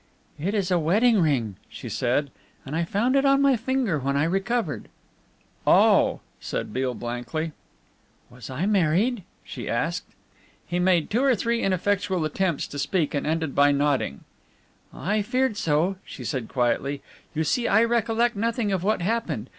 "It is a wedding ring," she said, "and I found it on my finger when I recovered." "Oh!" said Beale blankly. "Was I married?" she asked. He made two or three ineffectual attempts to speak and ended by nodding. "I feared so," she said quietly, "you see I recollect nothing of what happened.